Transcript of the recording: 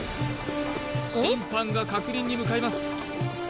審判が確認に向かいます